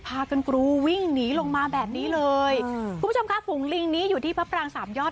พากันกรูวิ่งหนีลงมาแบบนี้เลยคุณผู้ชมค่ะฝูงลิงนี้อยู่ที่พระปรางสามยอด